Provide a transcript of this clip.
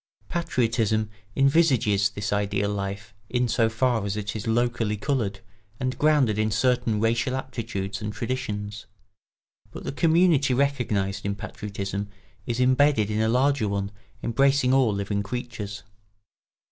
Patriotism envisages this ideal life in so far as it is locally coloured and grounded in certain racial aptitudes and traditions; but the community recognised in patriotism is imbedded in a larger one embracing all living creatures.